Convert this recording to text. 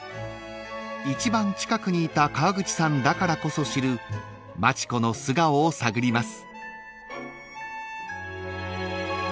［一番近くにいた川口さんだからこそ知る町子の素顔を探ります］